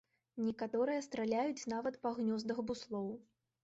Некаторыя страляюць нават па гнёздах буслоў.